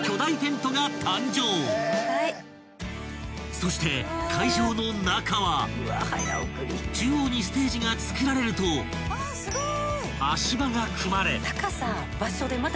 ［そして会場の中は中央にステージが造られると足場が組まれ］